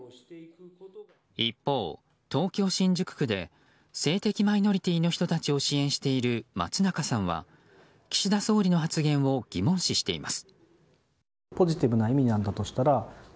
一方、東京・新宿区で性的マイノリティーの人たちを支援している松中さんは岸田総理の発言を疑問視しています。